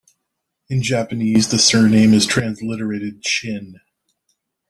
In Japanese, the surname is transliterated Chin.